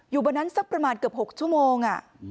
อยู่บันนั้นซักประมาณ๖ชั่วโมง